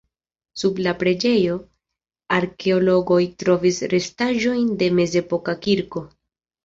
Sub la preĝejo arkeologoj trovis restaĵojn de mezepoka kirko.